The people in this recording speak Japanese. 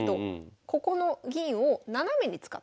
ここの銀を斜めに使って。